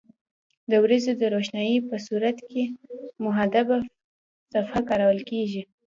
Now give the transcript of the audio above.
د ورځې د روښنایي په صورت کې محدبه صفحه کارول کیږي.